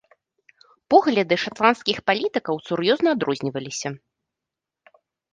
Погляды шатландскіх палітыкаў сур'ёзна адрозніваліся.